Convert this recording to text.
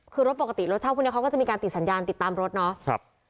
คือรถปกติรถเช่าพวกนี้เขาก็จะมีการติดสัญญาณติดตามรถเนาะ